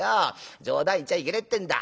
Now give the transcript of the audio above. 『冗談言っちゃいけねえってんだ。